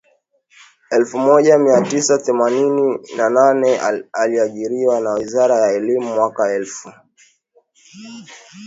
elfu moja mia tisa themanini na nane aliajiriwa na wizara ya elimu Mwaka elfu